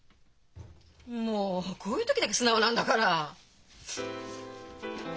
もうこういう時だけ素直なんだから。